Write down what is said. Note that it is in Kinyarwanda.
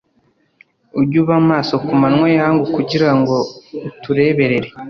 Ujye uba maso ku manywa y’ihangu kugira ngo utureberere